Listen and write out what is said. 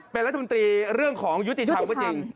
เป็นรัฐมนตรีเรื่องของยุติธรรมก็จริง